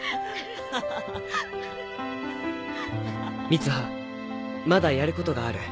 三葉まだやることがある。